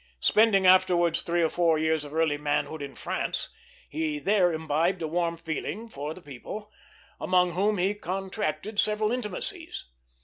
Spending afterwards three or four years of early manhood in France, he there imbibed a warm liking for the people, among whom he contracted several intimacies.